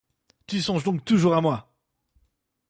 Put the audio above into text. Tu songes donc toujours à moi!